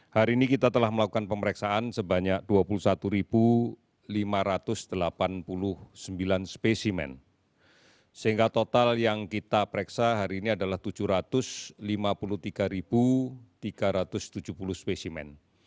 hari ini kita telah melakukan pemeriksaan sebanyak dua puluh satu lima ratus delapan puluh sembilan spesimen sehingga total yang kita pereksa hari ini adalah tujuh ratus lima puluh tiga tiga ratus tujuh puluh spesimen